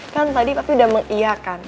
kan tadi papi udah mengiyakan